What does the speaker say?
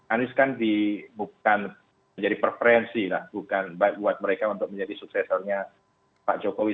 anies kan bukan menjadi preferensi lah bukan buat mereka untuk menjadi suksesornya pak jokowi